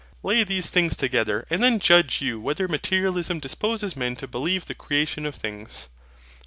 Lay these things together, and then judge you whether Materialism disposes men to believe the creation of things.